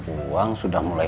uang sudah mulai habis